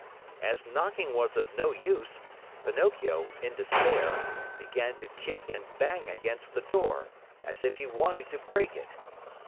As knocking was of no use, Pinocchio, in despair, began to kick and bang against the door, as if he wanted to break it.